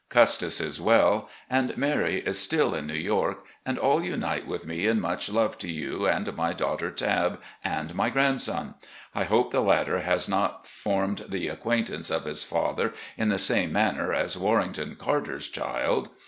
Custis is well, and Mary is still in New York, and all unite with me in much love to you and my daughter Tabb and my grandson. I hope the latter has not formed the acquaintance of his father in the same manner as Warrington Carter's child.